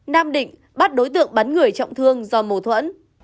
nam định bắt đối tượng bắn người trọng thương do mâu thuẫn